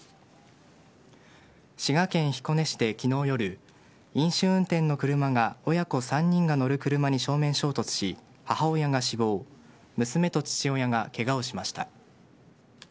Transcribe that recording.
滋賀県彦根市で昨日夜飲酒運転の車が親子３人が乗る車に正面衝突し母親が死亡娘と父親がケガをしました。